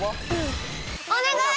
お願い！